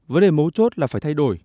vấn đề mấu chốt là phải thay đổi